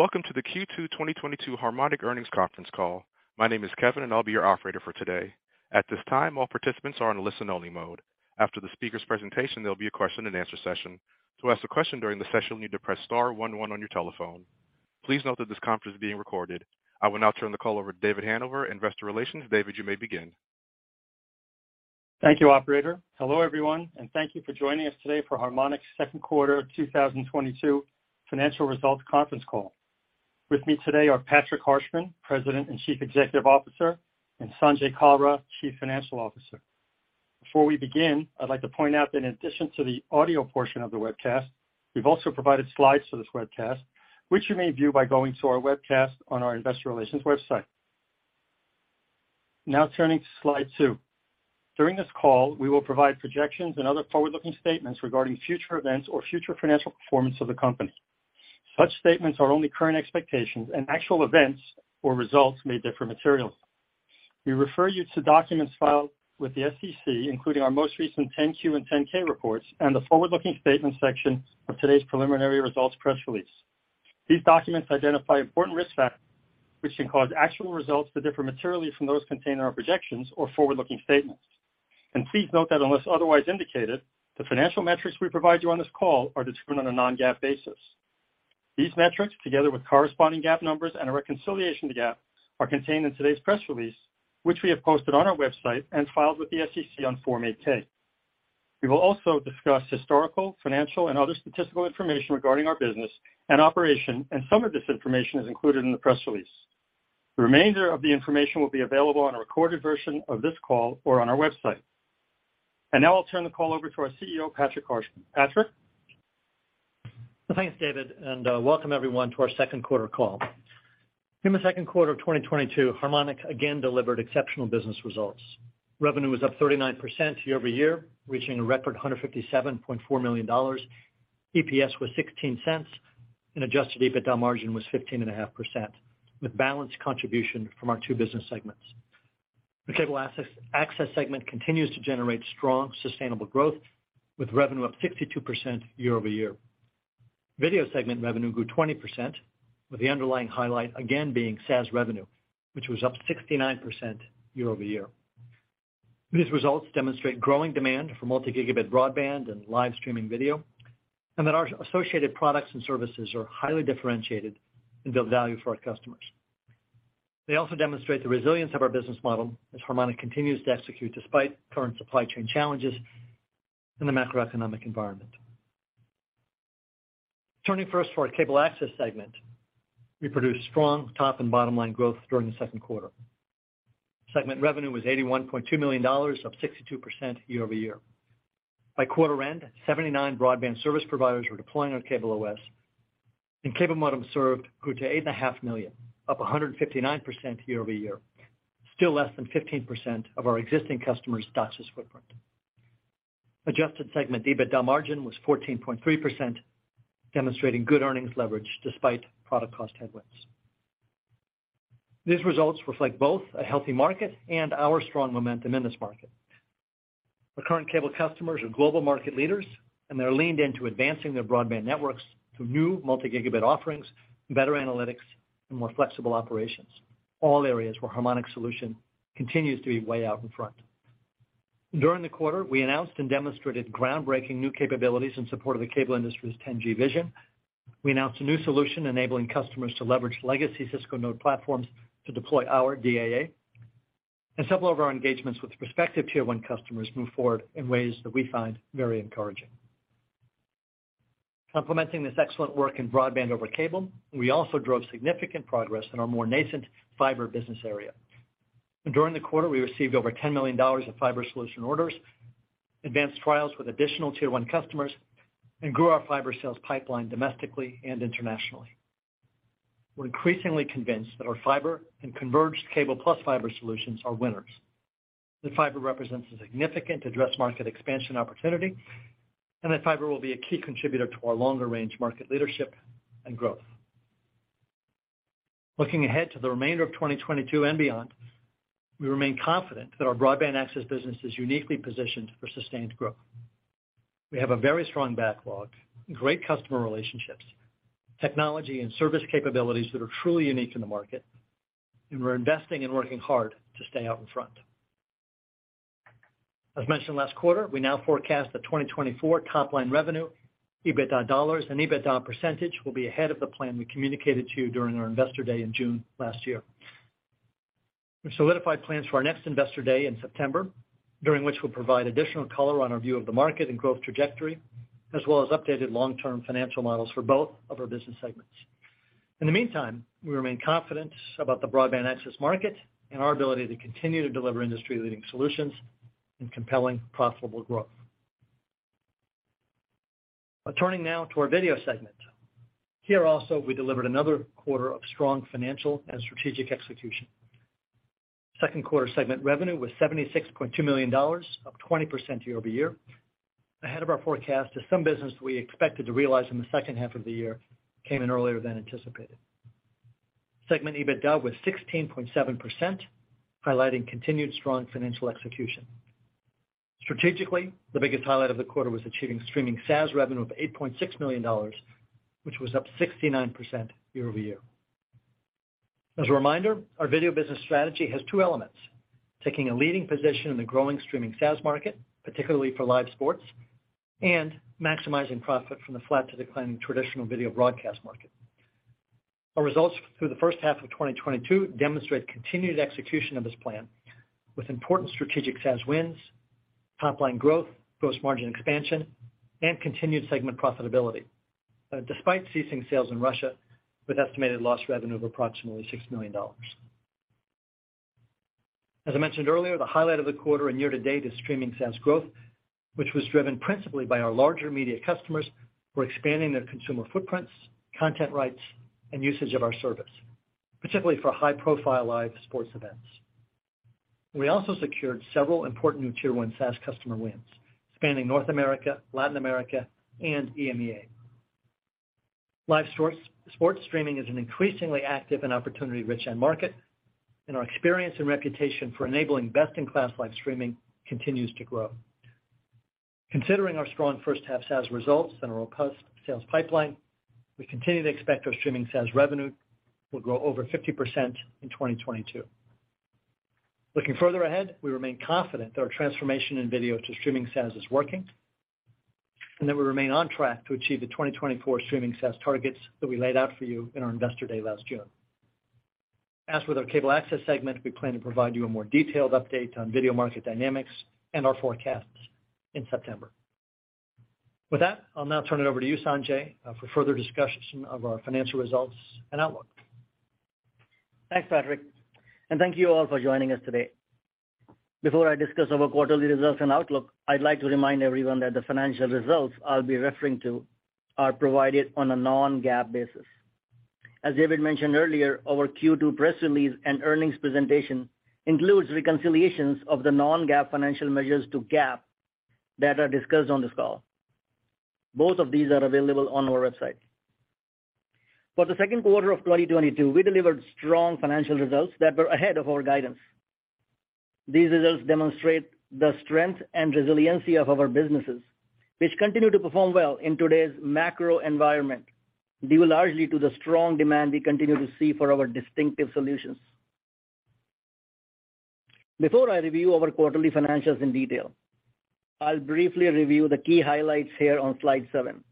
Welcome to the Q2 2022 Harmonic Earnings Conference Call. My name is Kevin and I'll be your operator for today. At this time, all participants are in listen only mode. After the speaker's presentation, there'll be a question and answer session. To ask a question during the session, you'll need to press star one one on your telephone. Please note that this conference is being recorded. I will now turn the call over to David Hanover, Investor Relations. David, you may begin. Thank you, operator. Hello everyone, and thank you for joining us today for Harmonic's second quarter 2022 financial results conference call. With me today are Patrick Harshman, President and Chief Executive Officer, and Sanjay Kalra, Chief Financial Officer. Before we begin, I'd like to point out that in addition to the audio portion of the webcast, we've also provided slides for this webcast, which you may view by going to our webcast on our investor relations website. Now turning to slide 2. During this call, we will provide projections and other forward-looking statements regarding future events or future financial performance of the company. Such statements are only current expectations and actual events or results may differ materially. We refer you to documents filed with the SEC, including our most recent 10-Q and 10-K reports and the forward-looking statement section of today's preliminary results press release. These documents identify important risk factors which can cause actual results to differ materially from those contained in our projections or forward-looking statements. Please note that unless otherwise indicated, the financial metrics we provide you on this call are determined on a non-GAAP basis. These metrics, together with corresponding GAAP numbers and a reconciliation to GAAP, are contained in today's press release, which we have posted on our website and filed with the SEC on Form 8-K. We will also discuss historical, financial, and other statistical information regarding our business and operation, and some of this information is included in the press release. The remainder of the information will be available on a recorded version of this call or on our website. Now I'll turn the call over to our CEO, Patrick Harshman. Patrick. Thanks, David, and welcome everyone to our second quarter call. In the second quarter of 2022, Harmonic again delivered exceptional business results. Revenue was up 39% year-over-year, reaching a record $157.4 million. EPS was $0.16 and adjusted EBITDA margin was 15.5%, with balanced contribution from our two business segments. The cable access segment continues to generate strong sustainable growth with revenue up 62% year-over-year. Video segment revenue grew 20% with the underlying highlight again being SaaS revenue, which was up 69% year-over-year. These results demonstrate growing demand for multi-gigabit broadband and live streaming video, and that our associated products and services are highly differentiated and build value for our customers. They also demonstrate the resilience of our business model as Harmonic continues to execute despite current supply chain challenges in the macroeconomic environment. Turning first to our cable access segment. We produced strong top and bottom line growth during the second quarter. Segment revenue was $81.2 million, up 62% year-over-year. By quarter end, 79 broadband service providers were deploying on CableOS, and cable modems served grew to 8.5 million, up 159% year-over-year, still less than 15% of our existing customers' DOCSIS footprint. Adjusted segment EBITDA margin was 14.3%, demonstrating good earnings leverage despite product cost headwinds. These results reflect both a healthy market and our strong momentum in this market. Our current cable customers are global market leaders, and they're leaned into advancing their broadband networks through new multi-gigabit offerings, better analytics, and more flexible operations, all areas where Harmonic's solution continues to be way out in front. During the quarter, we announced and demonstrated groundbreaking new capabilities in support of the cable industry's 10G vision. We announced a new solution enabling customers to leverage legacy Cisco node platforms to deploy our DAA. Several of our engagements with prospective tier one customers moved forward in ways that we find very encouraging. Complementing this excellent work in broadband over cable, we also drove significant progress in our more nascent fiber business area. During the quarter, we received over $10 million in fiber solution orders, advanced trials with additional tier one customers, and grew our fiber sales pipeline domestically and internationally. We're increasingly convinced that our fiber and converged cable plus fiber solutions are winners, that fiber represents a significant addressable market expansion opportunity, and that fiber will be a key contributor to our longer-range market leadership and growth. Looking ahead to the remainder of 2022 and beyond, we remain confident that our broadband access business is uniquely positioned for sustained growth. We have a very strong backlog, great customer relationships, technology and service capabilities that are truly unique in the market, and we're investing and working hard to stay out in front. As mentioned last quarter, we now forecast that 2024 top-line revenue, EBITDA dollars and EBITDA percentage will be ahead of the plan we communicated to you during our Investor Day in June last year. We've solidified plans for our next Investor Day in September, during which we'll provide additional color on our view of the market and growth trajectory, as well as updated long-term financial models for both of our business segments. In the meantime, we remain confident about the broadband access market and our ability to continue to deliver industry-leading solutions and compelling profitable growth. Turning now to our video segment. Here also, we delivered another quarter of strong financial and strategic execution. Second quarter segment revenue was $76.2 million, up 20% year-over-year, ahead of our forecast as some business we expected to realize in the second half of the year came in earlier than anticipated. Segment EBITDA was 16.7%, highlighting continued strong financial execution. Strategically, the biggest highlight of the quarter was achieving streaming SaaS revenue of $8.6 million, which was up 69% year-over-year. As a reminder, our video business strategy has two elements. Taking a leading position in the growing streaming SaaS market, particularly for live sports, and maximizing profit from the flat to declining traditional video broadcast market. Our results through the first half of 2022 demonstrate continued execution of this plan with important strategic SaaS wins, top line growth, gross margin expansion, and continued segment profitability, despite ceasing sales in Russia with estimated lost revenue of approximately $6 million. As I mentioned earlier, the highlight of the quarter and year to date is streaming SaaS growth, which was driven principally by our larger media customers who are expanding their consumer footprints, content rights, and usage of our service, particularly for high-profile live sports events. We also secured several important new tier one SaaS customer wins, spanning North America, Latin America, and EMEA. Live sports streaming is an increasingly active and opportunity-rich end market, and our experience and reputation for enabling best-in-class live streaming continues to grow. Considering our strong first half SaaS results and our robust sales pipeline, we continue to expect our streaming SaaS revenue will grow over 50% in 2022. Looking further ahead, we remain confident that our transformation in video to streaming SaaS is working, and that we remain on track to achieve the 2024 streaming SaaS targets that we laid out for you in our Investor Day last June. As with our cable access segment, we plan to provide you a more detailed update on video market dynamics and our forecasts in September. With that, I'll now turn it over to you, Sanjay, for further discussion of our financial results and outlook. Thanks, Patrick, and thank you all for joining us today. Before I discuss our quarterly results and outlook, I'd like to remind everyone that the financial results I'll be referring to are provided on a non-GAAP basis. As David mentioned earlier, our Q2 press release and earnings presentation includes reconciliations of the non-GAAP financial measures to GAAP that are discussed on this call. Both of these are available on our website. For the second quarter of 2022, we delivered strong financial results that were ahead of our guidance. These results demonstrate the strength and resiliency of our businesses, which continue to perform well in today's macro environment, due largely to the strong demand we continue to see for our distinctive solutions. Before I review our quarterly financials in detail, I'll briefly review the key highlights here on slide seven.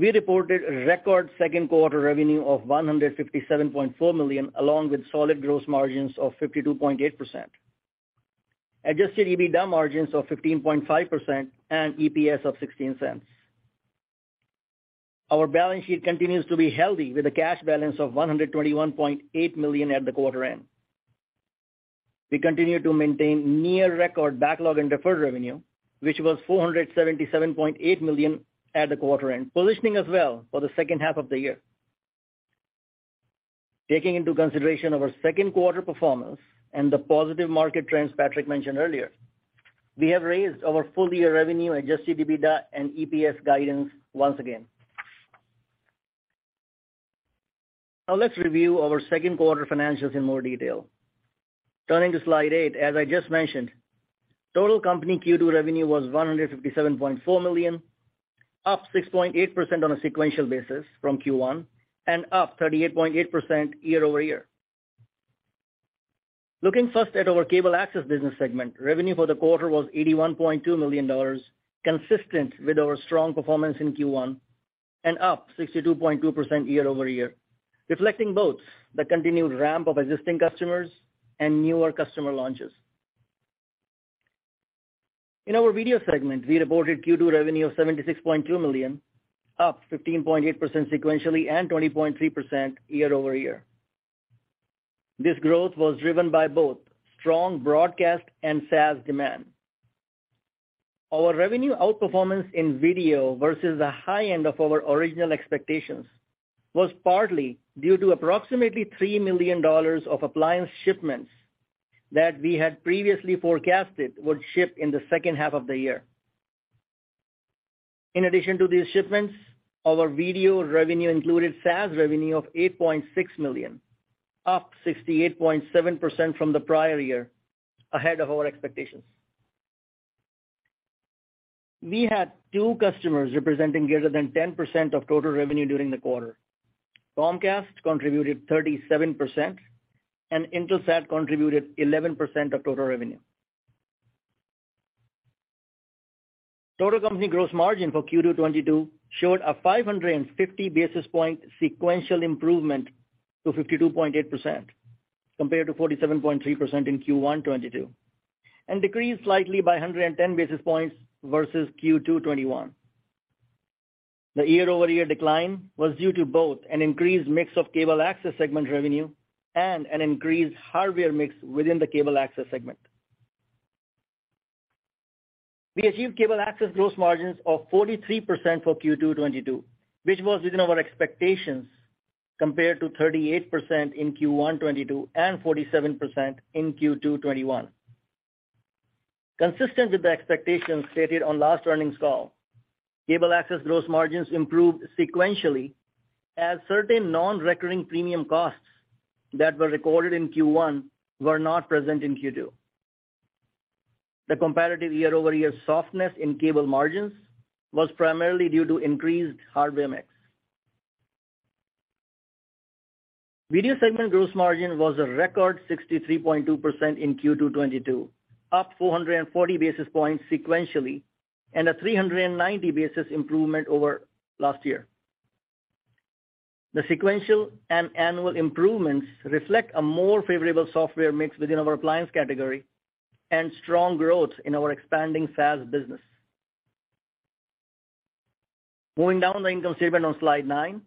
We reported record second quarter revenue of $157.4 million along with solid gross margins of 52.8%. Adjusted EBITDA margins of 15.5% and EPS of $0.16. Our balance sheet continues to be healthy with a cash balance of $121.8 million at the quarter end. We continue to maintain near record backlog and deferred revenue, which was $477.8 million at the quarter end, positioning us well for the second half of the year. Taking into consideration our second quarter performance and the positive market trends Patrick mentioned earlier, we have raised our full year revenue, adjusted EBITDA and EPS guidance once again. Now let's review our second quarter financials in more detail. Turning to slide eight, as I just mentioned, total company Q2 revenue was $157.4 million, up 6.8% on a sequential basis from Q1 and up 38.8% year-over-year. Looking first at our cable access business segment, revenue for the quarter was $81.2 million, consistent with our strong performance in Q1 and up 62.2% year-over-year, reflecting both the continued ramp of existing customers and newer customer launches. In our video segment, we reported Q2 revenue of $76.2 million, up 15.8% sequentially and 20.3% year-over-year. This growth was driven by both strong broadcast and SaaS demand. Our revenue outperformance in video versus the high end of our original expectations was partly due to approximately $3 million of appliance shipments that we had previously forecasted would ship in the second half of the year. In addition to these shipments, our video revenue included SaaS revenue of $8.6 million, up 68.7% from the prior year, ahead of our expectations. We had two customers representing greater than 10% of total revenue during the quarter. Comcast contributed 37% and Intelsat contributed 11% of total revenue. Total company gross margin for Q2 2022 showed a 550 basis point sequential improvement to 52.8%, compared to 47.3% in Q1 2022, and decreased slightly by 110 basis points versus Q2 2021. The year-over-year decline was due to both an increased mix of cable access segment revenue and an increased hardware mix within the cable access segment. We achieved cable access gross margins of 43% for Q2 2022, which was within our expectations compared to 38% in Q1 2022 and 47% in Q2 2021. Consistent with the expectations stated on last earnings call. Cable access gross margins improved sequentially as certain non-recurring premium costs that were recorded in Q1 were not present in Q2. The comparative year-over-year softness in cable margins was primarily due to increased hardware mix. Video segment gross margin was a record 63.2% in Q2 2022, up 440 basis points sequentially, and a 390 basis improvement over last year. The sequential and annual improvements reflect a more favorable software mix within our appliance category and strong growth in our expanding SaaS business. Moving down the income statement on slide 9.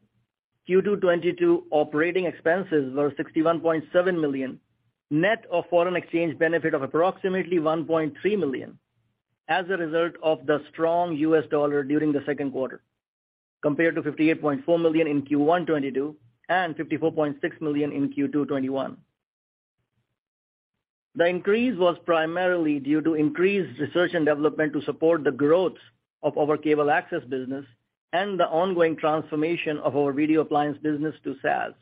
Q2 2022 operating expenses were $61.7 million, net of foreign exchange benefit of approximately $1.3 million as a result of the strong US dollar during the second quarter, compared to $58.4 million in Q1 2022 and $54.6 million in Q2 2021. The increase was primarily due to increased research and development to support the growth of our cable access business and the ongoing transformation of our video appliance business to SaaS.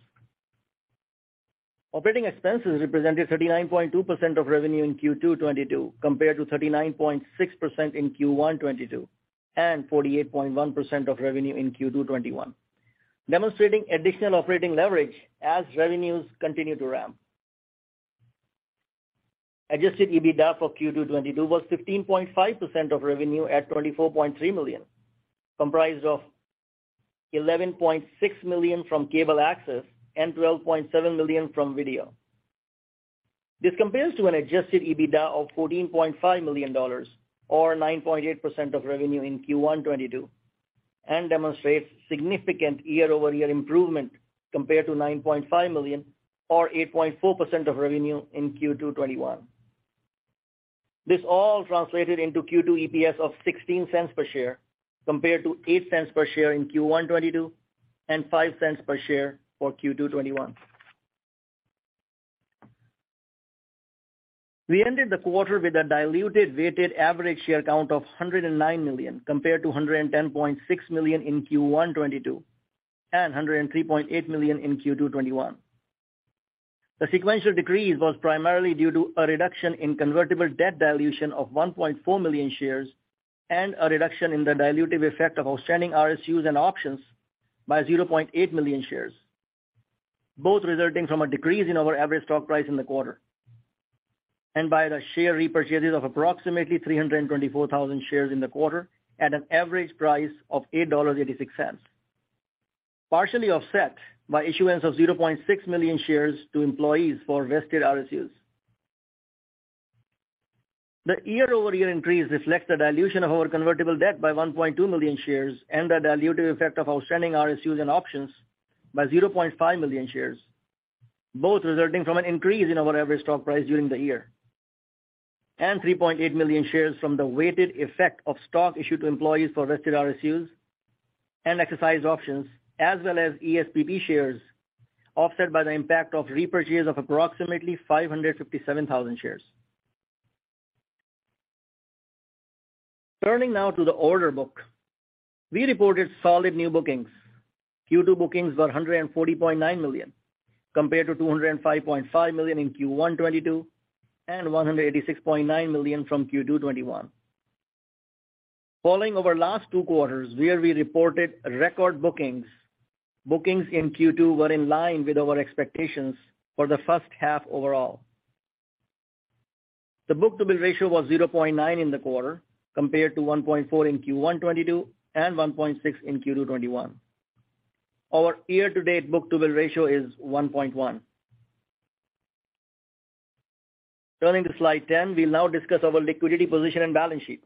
Operating expenses represented 39.2% of revenue in Q2 2022, compared to 39.6% in Q1 2022, and 48.1% of revenue in Q2 2021, demonstrating additional operating leverage as revenues continue to ramp. Adjusted EBITDA for Q2 2022 was 15.5% of revenue at $24.3 million, comprised of $11.6 million from cable access and $12.7 million from video. This compares to an adjusted EBITDA of $14.5 million or 9.8% of revenue in Q1 2022, and demonstrates significant year-over-year improvement compared to $9.5 million or 8.4% of revenue in Q2 2021. This all translated into Q2 EPS of $0.16 per share, compared to $0.08 per share in Q1 2022 and $0.05 per share for Q2 2021. We ended the quarter with a diluted weighted average share count of 109 million, compared to 110.6 million in Q1 2022, and 103.8 million in Q2 2021. The sequential decrease was primarily due to a reduction in convertible debt dilution of 1.4 million shares, and a reduction in the dilutive effect of outstanding RSUs and options by 0.8 million shares, both resulting from a decrease in our average stock price in the quarter. By the share repurchases of approximately 324,000 shares in the quarter at an average price of $8.86, partially offset by issuance of 0.6 million shares to employees for vested RSUs. The year-over-year increase reflects the dilution of our convertible debt by 1.2 million shares and the dilutive effect of outstanding RSUs and options by 0.5 million shares, both resulting from an increase in our average stock price during the year. 3.8 million shares from the weighted effect of stock issued to employees for vested RSUs and exercised options, as well as ESPP shares, offset by the impact of repurchase of approximately 557,000 shares. Turning now to the order book. We reported solid new bookings. Q2 bookings were $140.9 million, compared to $205.5 million in Q1 2022 and $186.9 million in Q2 2021. Over the last two quarters where we reported record bookings in Q2 were in line with our expectations for the first half overall. The book-to-bill ratio was 0.9 in the quarter, compared to 1.4 in Q1 2022 and 1.6 in Q2 2021. Our year-to-date book-to-bill ratio is 1.1. Turning to slide 10. We now discuss our liquidity position and balance sheet.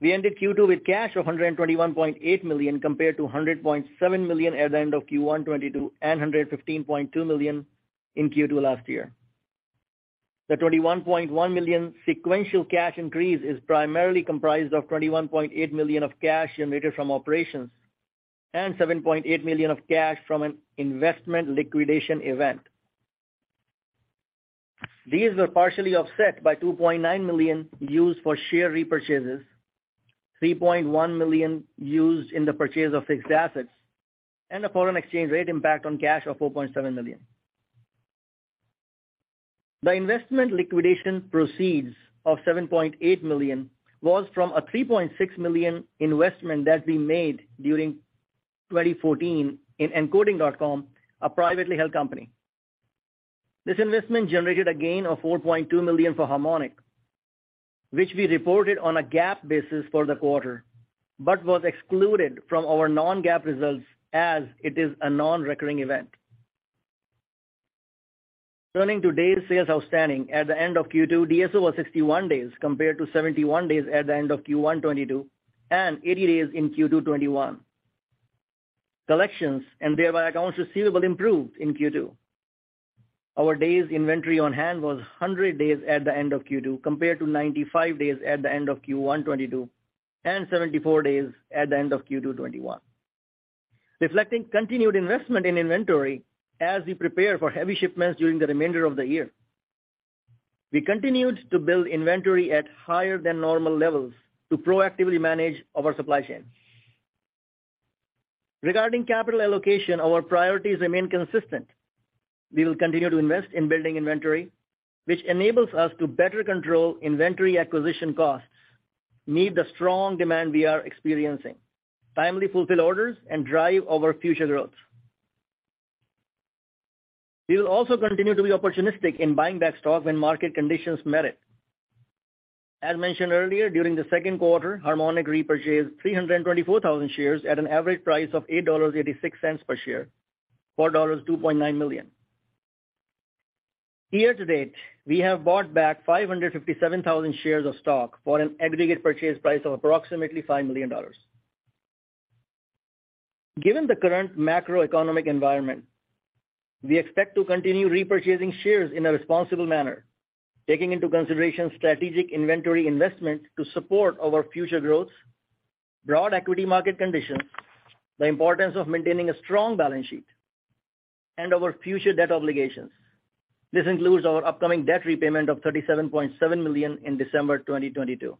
We ended Q2 with cash of $121.8 million, compared to $100.7 million at the end of Q1 2022 and $115.2 million in Q2 last year. The $21.1 million sequential cash increase is primarily comprised of $21.8 million of cash generated from operations and $7.8 million of cash from an investment liquidation event. These were partially offset by $2.9 million used for share repurchases, $3.1 million used in the purchase of fixed assets, and a foreign exchange rate impact on cash of $4.7 million. The investment liquidation proceeds of $7.8 million was from a $3.6 million investment that we made during 2014 in Encoding.com, a privately held company. This investment generated a gain of $4.2 million for Harmonic, which we reported on a GAAP basis for the quarter, but was excluded from our non-GAAP results as it is a non-recurring event. Turning to days sales outstanding. At the end of Q2, DSO was 61 days, compared to 71 days at the end of Q1 2022 and 80 days in Q2 2021. Collections, and thereby accounts receivable, improved in Q2. Our days inventory on hand was 100 days at the end of Q2, compared to 95 days at the end of Q1 2022 and 74 days at the end of Q2 2021, reflecting continued investment in inventory as we prepare for heavy shipments during the remainder of the year. We continued to build inventory at higher than normal levels to proactively manage our supply chain. Regarding capital allocation, our priorities remain consistent. We will continue to invest in building inventory, which enables us to better control inventory acquisition costs, meet the strong demand we are experiencing, timely fulfill orders, and drive our future growth. We will also continue to be opportunistic in buying back stock when market conditions merit. As mentioned earlier, during the second quarter, Harmonic repurchased 324,000 shares at an average price of $8.86 per share, for $2.9 million. Year-to-date, we have bought back 557,000 shares of stock for an aggregate purchase price of approximately $5 million. Given the current macroeconomic environment, we expect to continue repurchasing shares in a responsible manner, taking into consideration strategic inventory investment to support our future growth, broad equity market conditions, the importance of maintaining a strong balance sheet, and our future debt obligations. This includes our upcoming debt repayment of $37.7 million in December 2022.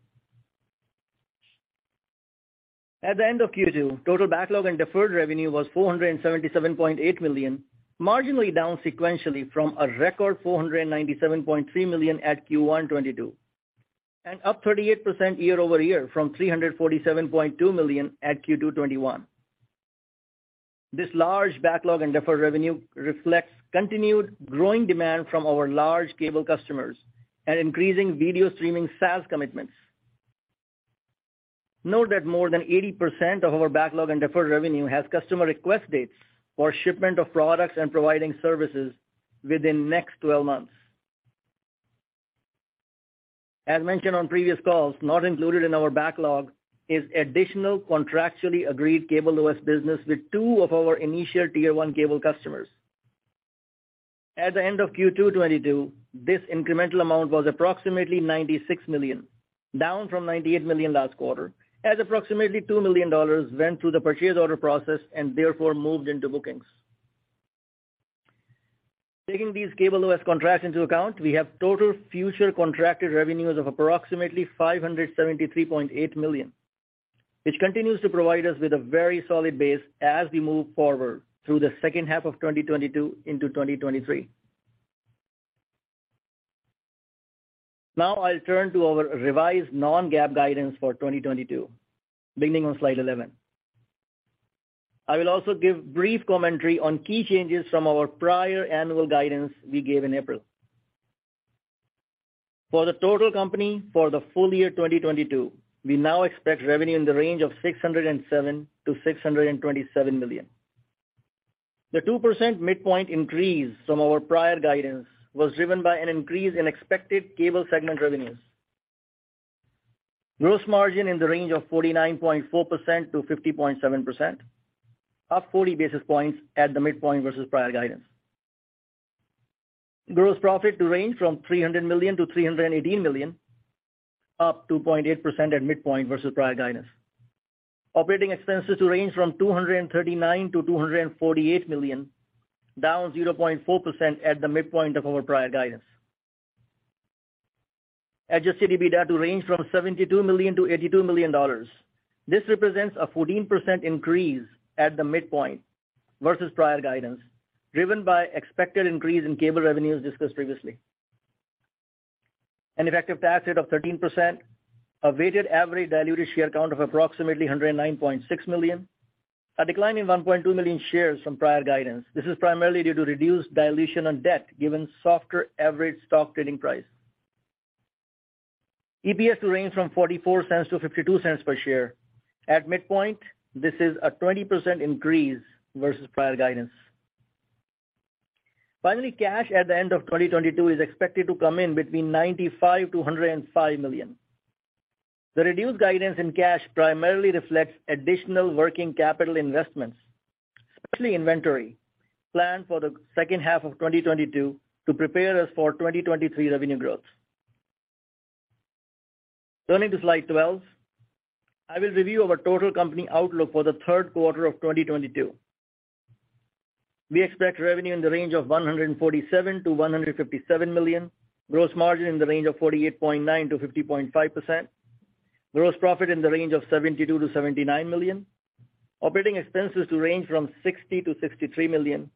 At the end of Q2, total backlog and deferred revenue was $477.8 million, marginally down sequentially from a record $497.3 million at Q1 2022, and up 38% year-over-year from $347.2 million at Q2 2021. This large backlog and deferred revenue reflects continued growing demand from our large cable customers and increasing video streaming SaaS commitments. Note that more than 80% of our backlog and deferred revenue has customer request dates for shipment of products and providing services within next 12 months. As mentioned on previous calls, not included in our backlog is additional contractually agreed CableOS business with two of our initial tier one cable customers. At the end of Q2 2022, this incremental amount was approximately $96 million, down from $98 million last quarter, as approximately $2 million went through the purchase order process and therefore moved into bookings. Taking these CableOS contracts into account, we have total future contracted revenues of approximately $573.8 million, which continues to provide us with a very solid base as we move forward through the second half of 2022 into 2023. Now I'll turn to our revised non-GAAP guidance for 2022, beginning on slide 11. I will also give brief commentary on key changes from our prior annual guidance we gave in April. For the total company for the full year 2022, we now expect revenue in the range of $607-$627 million. The 2% midpoint increase from our prior guidance was driven by an increase in expected cable segment revenues. Gross margin in the range of 49.4%-50.7%, up 40 basis points at the midpoint versus prior guidance. Gross profit to range from $300 million-$318 million, up 2.8% at midpoint versus prior guidance. Operating expenses to range from $239 million-$248 million, down 0.4% at the midpoint of our prior guidance. Adjusted EBITDA to range from $72 million-$82 million. This represents a 14% increase at the midpoint versus prior guidance, driven by expected increase in cable revenues discussed previously. An effective tax rate of 13%. A weighted average diluted share count of approximately 109.6 million. A decline in 1.2 million shares from prior guidance. This is primarily due to reduced dilution on debt given softer average stock trading price. EPS to range from $0.44-$0.52 per share. At midpoint, this is a 20% increase versus prior guidance. Finally, cash at the end of 2022 is expected to come in between $95 million and $105 million. The reduced guidance in cash primarily reflects additional working capital investments, especially inventory, planned for the second half of 2022 to prepare us for 2023 revenue growth. Turning to slide 12, I will review our total company outlook for the third quarter of 2022. We expect revenue in the range of $147 million-$157 million, gross margin in the range of 48.9%-50.5%, gross profit in the range of $72 million-$79 million, operating expenses to range from $60 million-$63 million,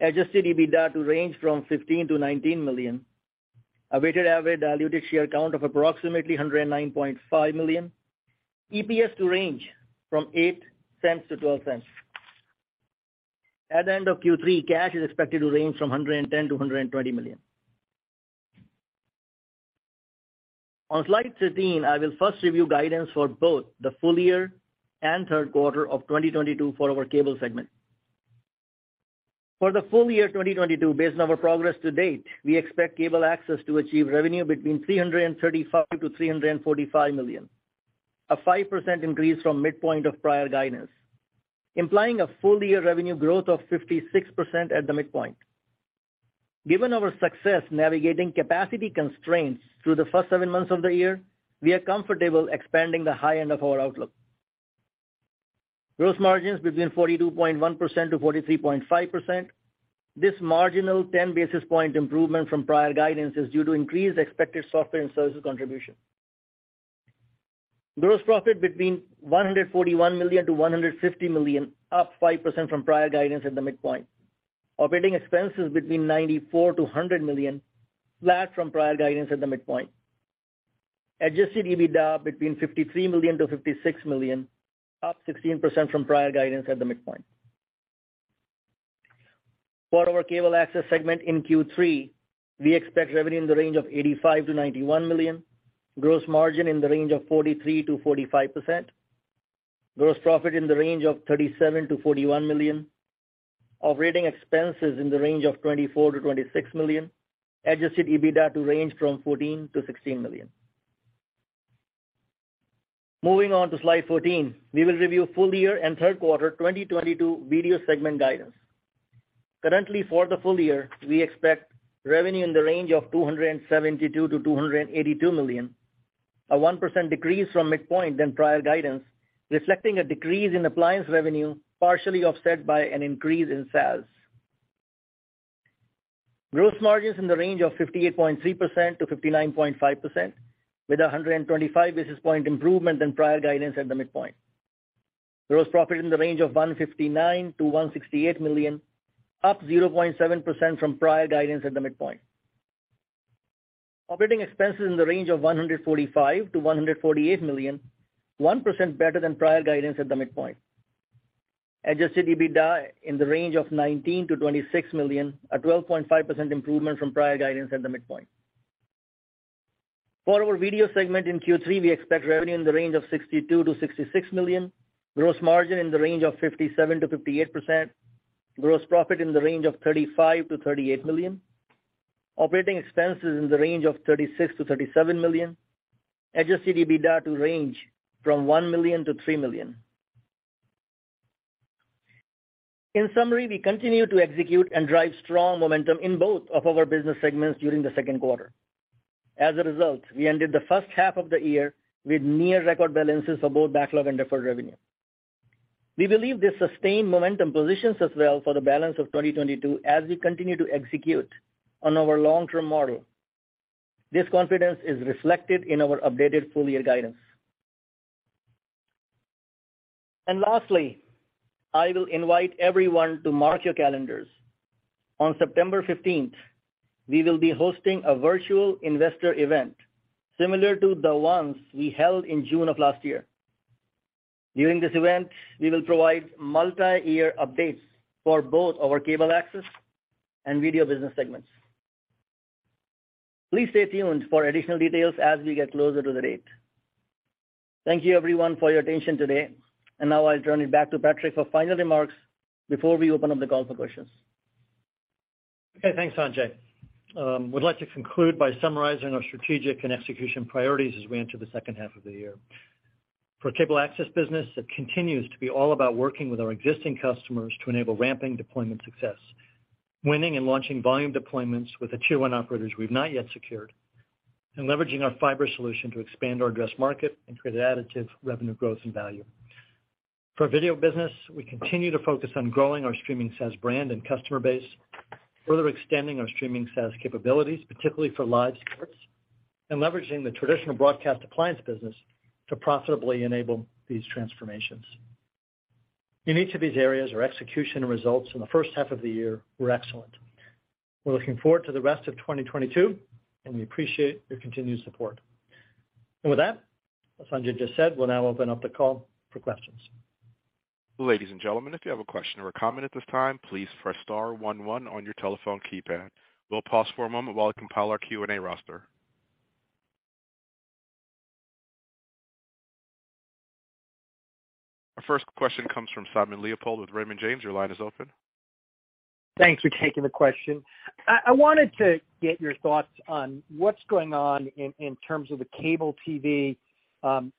adjusted EBITDA to range from $15 million-$19 million, a weighted average diluted share count of approximately 109.5 million, EPS to range from $0.08-$0.12. At the end of Q3, cash is expected to range from $110 million-$120 million. On slide 13, I will first review guidance for both the full year and third quarter of 2022 for our cable segment. For the full year 2022, based on our progress to date, we expect cable access to achieve revenue between $335 million-$345 million, a 5% increase from midpoint of prior guidance, implying a full year revenue growth of 56% at the midpoint. Given our success navigating capacity constraints through the first seven months of the year, we are comfortable expanding the high end of our outlook. Gross margins between 42.1% to 43.5%. This marginal 10 basis point improvement from prior guidance is due to increased expected software and services contribution. Gross profit between $141 million-$150 million, up 5% from prior guidance at the midpoint. Operating expenses between $94 million-$100 million, flat from prior guidance at the midpoint. Adjusted EBITDA $53 million-$56 million, up 16% from prior guidance at the midpoint. For our Cable Access segment in Q3, we expect revenue in the range of $85 million-$91 million. Gross margin in the range of 43%-45%. Gross profit in the range of $37 million-$41 million. Operating expenses in the range of $24 million-$26 million. Adjusted EBITDA to range from $14 million-$16 million. Moving on to slide 14, we will review full year and third quarter 2022 Video segment guidance. Currently for the full year, we expect revenue in the range of $272 million-$282 million, a 1% decrease from the midpoint of prior guidance, reflecting a decrease in appliance revenue, partially offset by an increase in SaaS. Gross margins in the range of 58.3%-59.5% with a 125 basis point improvement than prior guidance at the midpoint. Gross profit in the range of $159-$168 million, up 0.7% from prior guidance at the midpoint. Operating expenses in the range of $145-$148 million, 1% better than prior guidance at the midpoint. Adjusted EBITDA in the range of $19-$26 million, a 12.5% improvement from prior guidance at the midpoint. For our Video segment in Q3, we expect revenue in the range of $62-$66 million. Gross margin in the range of 57%-58%. Gross profit in the range of $35-$38 million. Operating expenses in the range of $36-$37 million. Adjusted EBITDA to range from $1 million-$3 million. In summary, we continue to execute and drive strong momentum in both of our business segments during the second quarter. As a result, we ended the first half of the year with near record balances of both backlog and deferred revenue. We believe this sustained momentum positions us well for the balance of 2022 as we continue to execute on our long-term model. This confidence is reflected in our updated full year guidance. Lastly, I will invite everyone to mark your calendars. On September 15th, we will be hosting a virtual investor event similar to the ones we held in June of last year. During this event, we will provide multi-year updates for both our Cable Access and Video business segments. Please stay tuned for additional details as we get closer to the date. Thank you everyone for your attention today. Now I'll turn it back to Patrick for final remarks before we open up the call for questions. Okay, thanks, Sanjay. I would like to conclude by summarizing our strategic and execution priorities as we enter the second half of the year. For Cable Access business, it continues to be all about working with our existing customers to enable ramping deployment success, winning and launching volume deployments with the tier one operators we've not yet secured, and leveraging our fiber solution to expand our addressable market and create additive revenue growth and value. For Video business, we continue to focus on growing our streaming SaaS brand and customer base, further extending our streaming SaaS capabilities, particularly for live sports, and leveraging the traditional broadcast appliance business to profitably enable these transformations. In each of these areas, our execution results in the first half of the year were excellent. We're looking forward to the rest of 2022, and we appreciate your continued support. With that, as Sanjay just said, we'll now open up the call for questions. Ladies and gentlemen, if you have a question or a comment at this time, please press star one one on your telephone keypad. We'll pause for a moment while I compile our Q&A roster. Our first question comes from Simon Leopold with Raymond James. Your line is open. Thanks for taking the question. I wanted to get your thoughts on what's going on in terms of the cable TV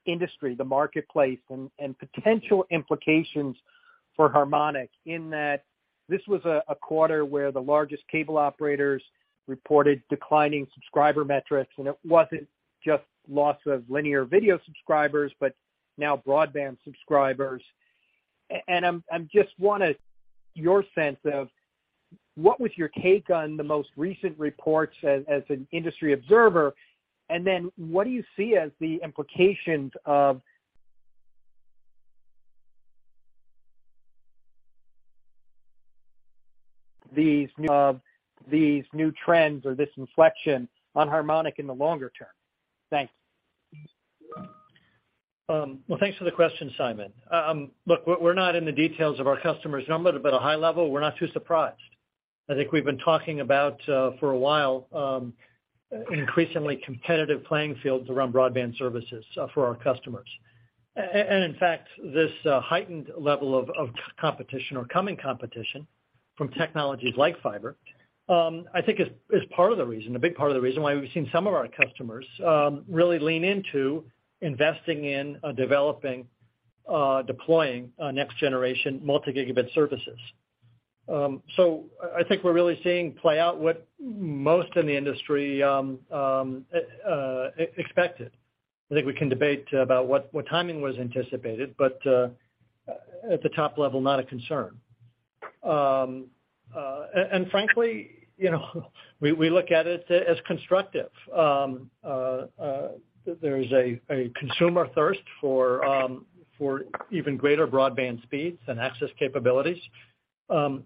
industry, the marketplace and potential implications for Harmonic in that this was a quarter where the largest cable operators reported declining subscriber metrics, and it wasn't just loss of linear video subscribers, but now broadband subscribers. I'm just wanted your sense of what was your take on the most recent reports as an industry observer, and then what do you see as the implications of these new trends or this inflection on Harmonic in the longer term? Thanks. Well, thanks for the question, Simon. Look, we're not in the details of our customers' numbers, but at a high level, we're not too surprised. I think we've been talking about for a while increasingly competitive playing fields around broadband services for our customers. In fact, this heightened level of competition or coming competition from technologies like fiber I think is part of the reason, a big part of the reason why we've seen some of our customers really lean into investing in developing deploying next generation multi-gigabit services. I think we're really seeing play out what most in the industry expected. I think we can debate about what timing was anticipated, but at the top level, not a concern. Frankly, you know, we look at it as constructive. There is a consumer thirst for even greater broadband speeds and access capabilities.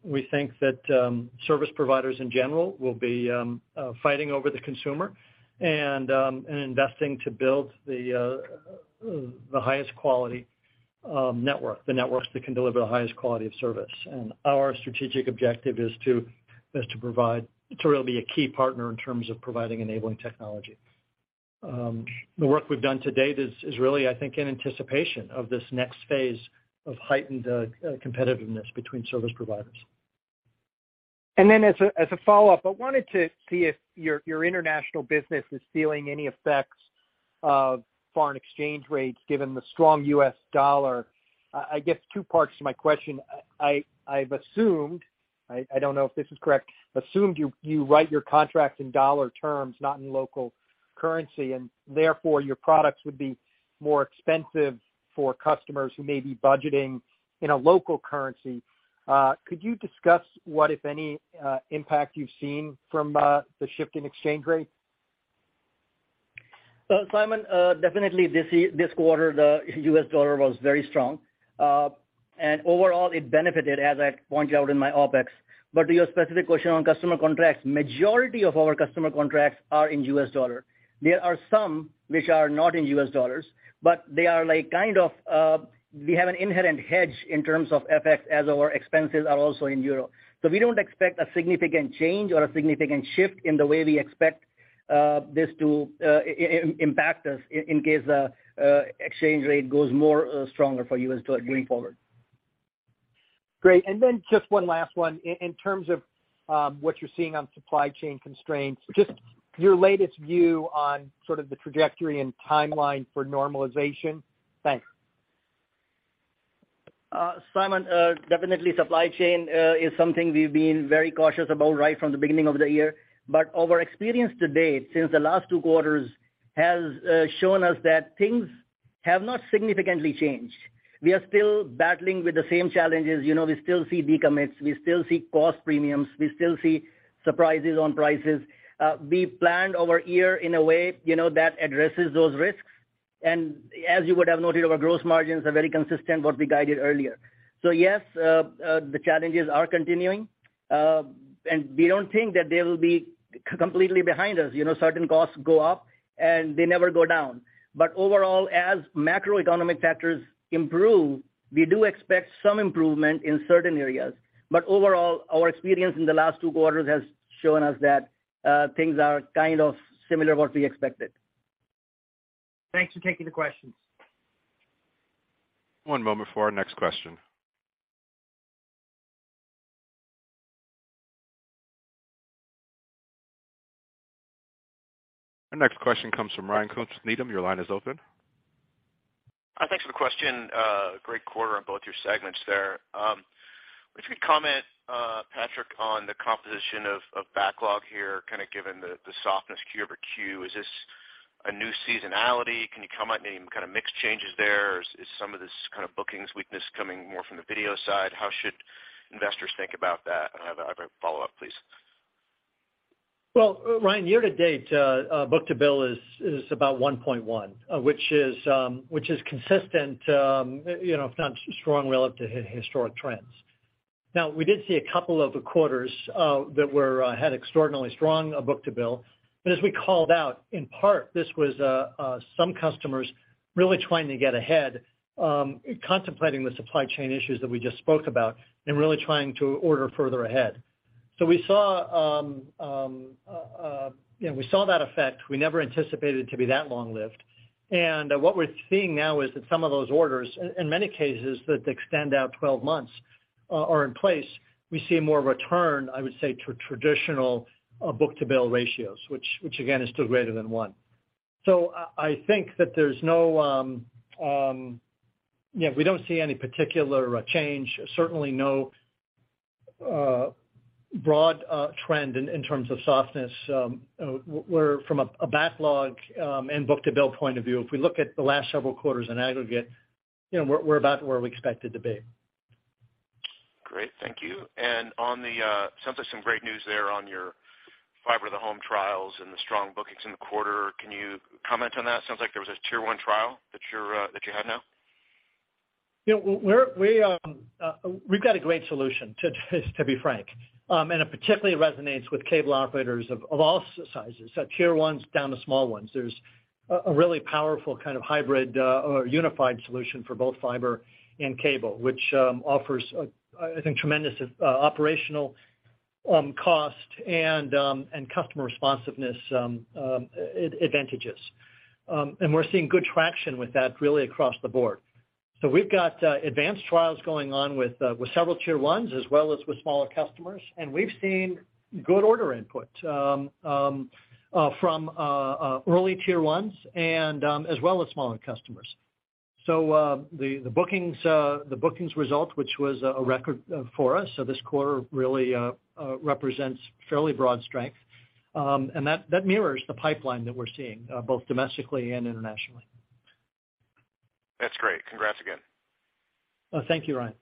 We think that service providers in general will be fighting over the consumer and investing to build the highest quality network, the networks that can deliver the highest quality of service. Our strategic objective is to really be a key partner in terms of providing enabling technology. The work we've done to date is really, I think, in anticipation of this next phase of heightened competitiveness between service providers. As a follow-up, I wanted to see if your international business is feeling any effects of foreign exchange rates given the strong U.S. dollar. I guess two parts to my question. I've assumed, I don't know if this is correct, you write your contracts in dollar terms, not in local currency, and therefore your products would be more expensive for customers who may be budgeting in a local currency. Could you discuss what, if any, impact you've seen from the shift in exchange rates? Well, Simon, definitely this quarter, the U.S. dollar was very strong. Overall, it benefited, as I pointed out in my OpEx. To your specific question on customer contracts, majority of our customer contracts are in U.S. dollar. There are some which are not in U.S. dollars, but they are like kind of, we have an inherent hedge in terms of FX as our expenses are also in euro. We don't expect a significant change or a significant shift in the way we expect, this to impact us in case, exchange rate goes more stronger for U.S. dollar going forward. Great. Just one last one. In terms of what you're seeing on supply chain constraints, just your latest view on sort of the trajectory and timeline for normalization. Thanks. Simon, definitely supply chain is something we've been very cautious about right from the beginning of the year. Our experience to date, since the last two quarters, has shown us that things have not significantly changed. We are still battling with the same challenges. You know, we still see decommits, we still see cost premiums, we still see surprises on prices. We planned our year in a way, you know, that addresses those risks. As you would have noted, our gross margins are very consistent with what we guided earlier. Yes, the challenges are continuing, and we don't think that they will be completely behind us. You know, certain costs go up, and they never go down. Overall, as macroeconomic factors improve, we do expect some improvement in certain areas. Overall, our experience in the last two quarters has shown us that things are kind of similar to what we expected. Thanks for taking the questions. One moment for our next question. Our next question comes from Ryan Koontz with Needham. Your line is open. Hi, thanks for the question. Great quarter on both your segments there. If you could comment, Patrick, on the composition of backlog here, kind of given the softness Q-over-Q. Is this a new seasonality? Can you comment any kind of mix changes there? Is some of this kind of bookings weakness coming more from the video side? How should investors think about that? I have a follow-up, please. Well, Ryan, year-to-date, book-to-bill is about 1.1, which is consistent, you know, if not strong relative historic trends. Now, we did see a couple of quarters that had extraordinarily strong book-to-bill. But as we called out, in part, this was some customers really trying to get ahead, contemplating the supply chain issues that we just spoke about and really trying to order further ahead. We saw that effect. We never anticipated it to be that long-lived. What we're seeing now is that some of those orders, in many cases that extend out 12 months, are in place. We see more of a return, I would say, to traditional book-to-bill ratios, which again is still greater than one. I think that there's no, we don't see any particular change, certainly no broad trend in terms of softness. We're from a backlog and book-to-bill point of view, if we look at the last several quarters in aggregate, you know, we're about where we expected to be. Great. Thank you. On the sounds like some great news there on your fiber to the home trials and the strong bookings in the quarter. Can you comment on that? Sounds like there was a tier one trial that you have now. Yeah, we've got a great solution, to be frank. It particularly resonates with cable operators of all sizes, tier ones down to small ones. There's a really powerful kind of hybrid or unified solution for both fiber and cable, which offers, I think, tremendous operational cost and customer responsiveness advantages. We're seeing good traction with that really across the board. We've got advanced trials going on with several tier ones as well as with smaller customers, and we've seen good order input from early tier ones as well as smaller customers. The bookings result, which was a record for us, this quarter really represents fairly broad strength. That mirrors the pipeline that we're seeing both domestically and internationally. That's great. Congrats again. Oh, thank you, Ryan.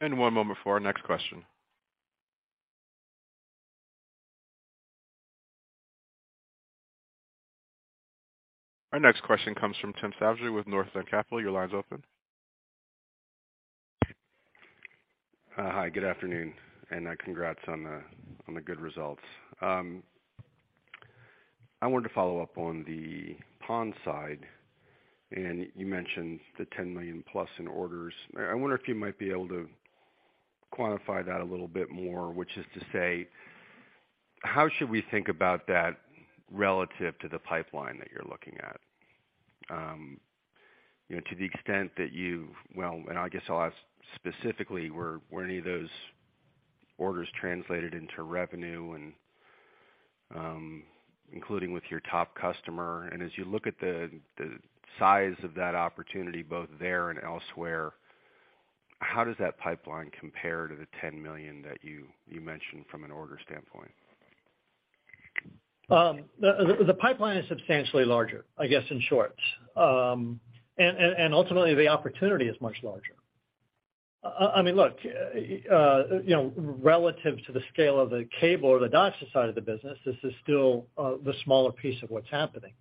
One moment for our next question. Our next question comes from Tim Savageaux with Northland Capital Markets. Your line's open. Hi, good afternoon, and congrats on the good results. I wanted to follow up on the PON side, and you mentioned the $10 million plus in orders. I wonder if you might be able to quantify that a little bit more, which is to say, how should we think about that relative to the pipeline that you're looking at? You know, I guess I'll ask specifically, were any of those orders translated into revenue, including with your top customer? As you look at the size of that opportunity both there and elsewhere, how does that pipeline compare to the $10 million that you mentioned from an order standpoint? The pipeline is substantially larger, I guess, in short. Ultimately the opportunity is much larger. I mean, look, you know, relative to the scale of the cable or the DOCSIS side of the business, this is still the smaller piece of what's happening.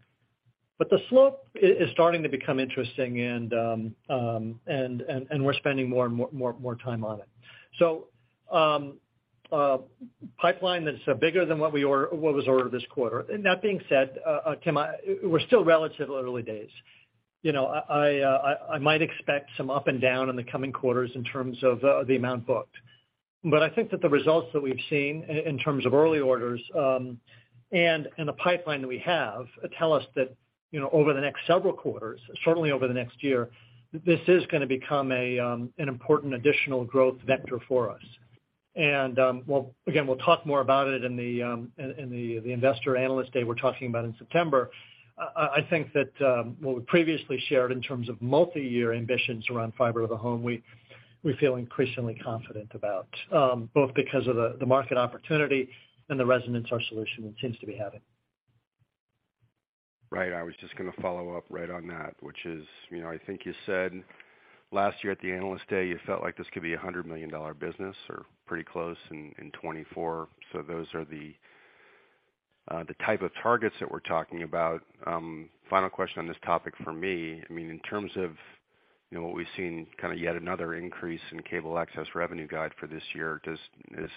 But the slope is starting to become interesting and we're spending more and more time on it. The pipeline that's bigger than what was ordered this quarter. That being said, Tim, we're still relatively early days. You know, I might expect some up and down in the coming quarters in terms of the amount booked. I think that the results that we've seen in terms of early orders, and the pipeline that we have tell us that, you know, over the next several quarters, certainly over the next year, this is gonna become an important additional growth vector for us. We'll again talk more about it in the Investor Day we're talking about in September. I think that what we previously shared in terms of multiyear ambitions around fiber to the home, we feel increasingly confident about, both because of the market opportunity and the resonance our solution seems to be having. Right. I was just gonna follow up right on that, which is, you know, I think you said last year at the analyst day, you felt like this could be a $100 million business or pretty close in 2024. Those are the type of targets that we're talking about. Final question on this topic for me. I mean, in terms of, you know, what we've seen, kind of yet another increase in Cable Access revenue guide for this year, does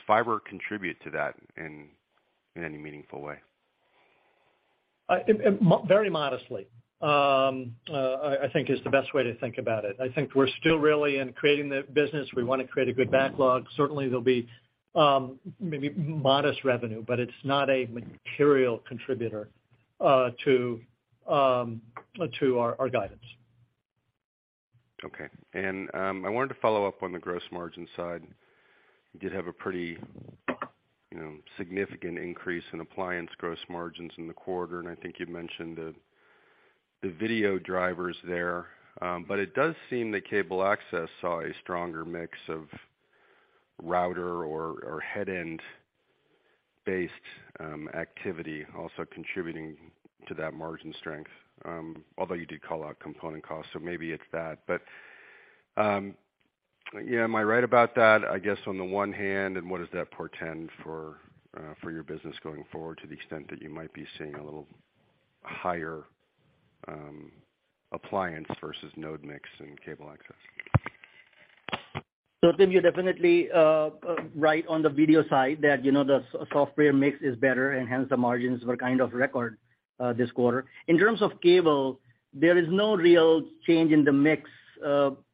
fiber contribute to that in any meaningful way? Very modestly, I think is the best way to think about it. I think we're still really in creating the business. We wanna create a good backlog. Certainly, there'll be maybe modest revenue, but it's not a material contributor to our guidance. Okay. I wanted to follow up on the gross margin side. You did have a pretty, you know, significant increase in appliance gross margins in the quarter, and I think you mentioned the video drivers there. It does seem that Cable Access saw a stronger mix of router or headend-based activity also contributing to that margin strength, although you did call out component costs, so maybe it's that. Yeah, am I right about that, I guess, on the one hand, and what does that portend for your business going forward to the extent that you might be seeing a little higher appliance versus node mix in Cable Access? Tim, you're definitely right on the video side that, you know, the software mix is better and hence the margins were kind of record this quarter. In terms of cable, there is no real change in the mix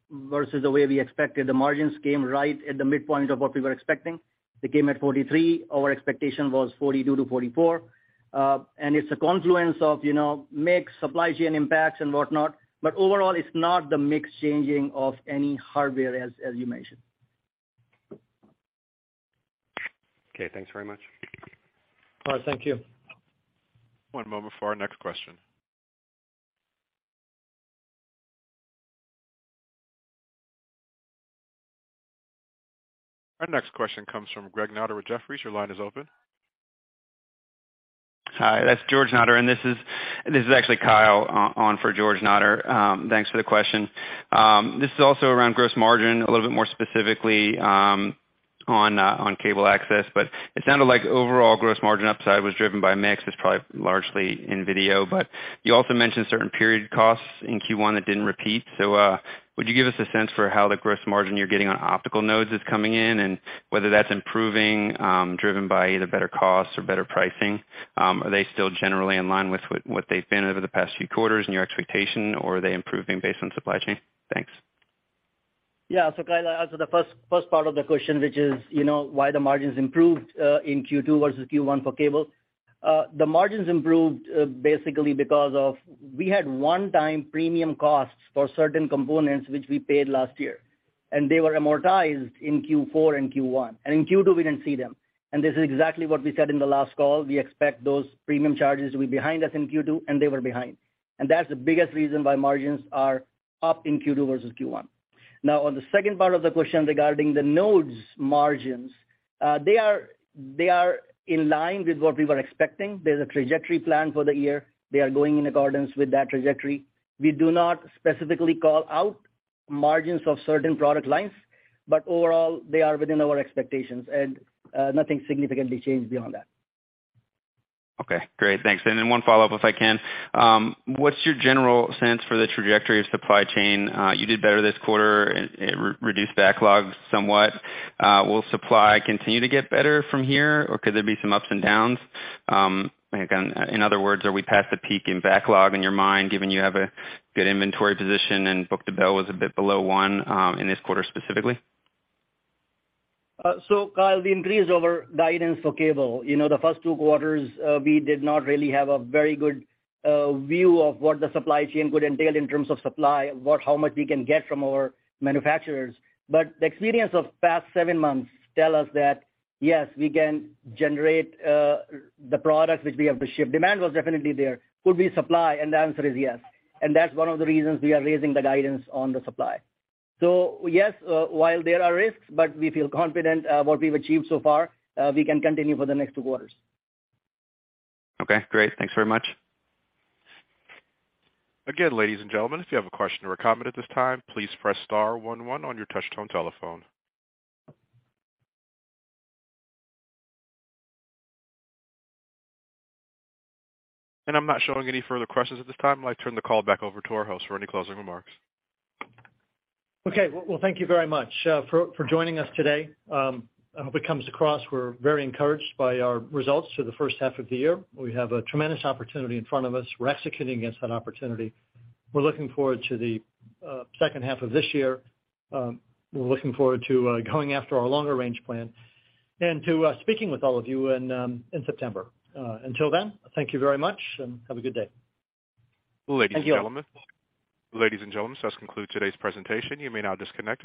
versus the way we expected. The margins came right at the midpoint of what we were expecting. They came at 43%. Our expectation was 42%-44%. It's a confluence of, you know, mix, supply chain impacts and whatnot. Overall, it's not the mix changing of any hardware as you mentioned. Okay, thanks very much. All right. Thank you. One moment for our next question. Our next question comes from Greg Notter with Jefferies. Your line is open. Hi, that's Greg Notter. This is actually Kyle on for Greg Notter. Thanks for the question. This is also around gross margin, a little bit more specifically, on Cable Access. It sounded like overall gross margin upside was driven by mix. It's probably largely in video, but you also mentioned certain period costs in Q1 that didn't repeat. Would you give us a sense for how the gross margin you're getting on optical nodes is coming in and whether that's improving, driven by either better costs or better pricing? Are they still generally in line with what they've been over the past few quarters and your expectation, or are they improving based on supply chain? Thanks. Yeah. Kyle, as for the first part of the question, which is, you know, why the margins improved in Q2 versus Q1 for cable. The margins improved basically because we had one-time premium costs for certain components, which we paid last year. They were amortized in Q4 and Q1. In Q2, we didn't see them. This is exactly what we said in the last call. We expect those premium charges to be behind us in Q2, and they were behind. That's the biggest reason why margins are up in Q2 versus Q1. Now on the second part of the question regarding the nodes margins, they are in line with what we were expecting. There's a trajectory plan for the year. They are going in accordance with that trajectory. We do not specifically call out margins of certain product lines, but overall, they are within our expectations and nothing significantly changed beyond that. Okay, great. Thanks. One follow-up, if I can. What's your general sense for the trajectory of supply chain? You did better this quarter and reduced backlogs somewhat. Will supply continue to get better from here, or could there be some ups and downs? Again, in other words, are we past the peak in backlog in your mind, given you have a good inventory position and book-to-bill was a bit below one, in this quarter specifically? Kyle, we increased our guidance for cable. You know, the first two quarters, we did not really have a very good view of what the supply chain would entail in terms of supply, how much we can get from our manufacturers. The experience of past seven months tell us that, yes, we can generate the products which we have to ship. Demand was definitely there. Could we supply? The answer is yes. That's one of the reasons we are raising the guidance on the supply. Yes, while there are risks, but we feel confident, what we've achieved so far, we can continue for the next two quarters. Okay, great. Thanks very much. Again, ladies and gentlemen, if you have a question or a comment at this time, please press star one one on your touchtone telephone. I'm not showing any further questions at this time. I'd like to turn the call back over to our host for any closing remarks. Okay. Well, thank you very much for joining us today. I hope it comes across, we're very encouraged by our results for the first half of the year. We have a tremendous opportunity in front of us. We're executing against that opportunity. We're looking forward to the second half of this year. We're looking forward to going after our longer range plan and to speaking with all of you in September. Until then, thank you very much and have a good day. Ladies and gentlemen. Thank you. Ladies and gentlemen, this does conclude today's presentation. You may now disconnect, and have.